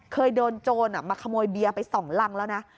เคยโดนโจรมาขโมยเบียร์ไป๒รังแล้วนะ